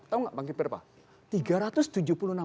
tahu nggak makin berapa